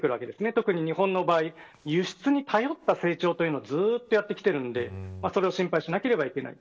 特に日本の場合輸出に頼った成長をやってきてるのでそれを心配しなければいけない。